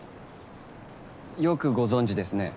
よくご存じですね。